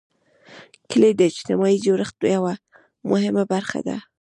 کلي د اجتماعي جوړښت یوه مهمه برخه ده.